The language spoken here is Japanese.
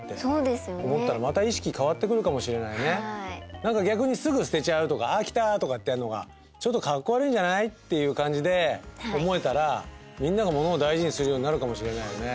何か逆にすぐ捨てちゃうとか飽きた！とかってやるのがちょっとかっこ悪いんじゃない？っていう感じで思えたらみんながものを大事にするようになるかもしれないよね。